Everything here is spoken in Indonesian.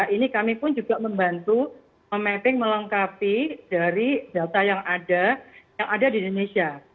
ini kami pun juga membantu memapping melengkapi dari data yang ada yang ada di indonesia